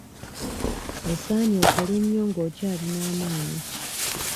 Osaanye okole nnyo nga okyalina amaanyi.